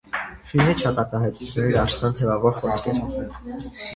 Ֆիլմից շատ արտահայտություններ դարձան թևավոր խոսքեր։